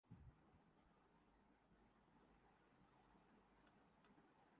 اچھی تعلیم زندگی میں بہترین ممکنہ آغاز مہیا کردیتی ہے